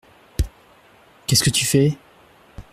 Qu’est-ce que tu fais ?